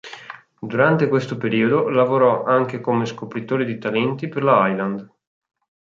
Durante questo periodo, lavorò anche come scopritore di talenti per la Island.